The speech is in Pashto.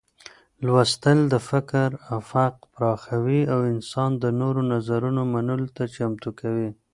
لوستل د فکر افق پراخوي او انسان د نوو نظرونو منلو ته چمتو کوي.